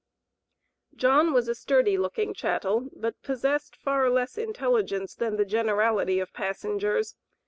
John was a sturdy looking chattel, but possessed far less intelligence than the generality of passengers.